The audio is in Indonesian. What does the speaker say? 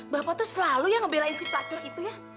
bapak tuh selalu ya ngebelain si pelacur itu ya